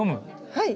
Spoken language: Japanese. はい。